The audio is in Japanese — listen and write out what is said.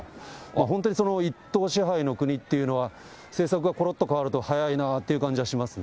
本当に一党支配の国っていうのは、政策がころっと変わると早いなって感じがしますね。